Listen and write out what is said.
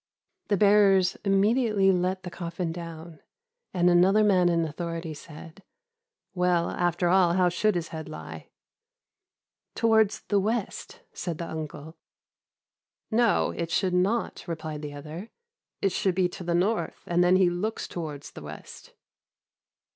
"The bearers immediately let the coffin down, and another man in authority said, 'Well, after all, how should his head lie?' "'Towards the west,' said the uncle. "'No, it should not,' replied the other; 'it should be to the north, and then he looks towards the west.